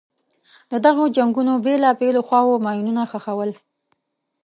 د دغو جنګونو بېلابېلو خواوو ماینونه ښخول.